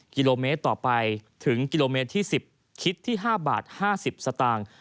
กิโลเมตรต่อไปถึงกิโลเมตรที่๑๐คิดที่๕บาท๕๐สตางค์